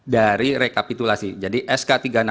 dari rekapitulasi jadi sk tiga puluh enam